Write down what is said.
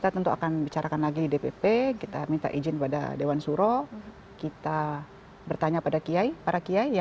terima kasih kak maria